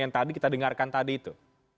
yang tadi kita dengarkan tadi itu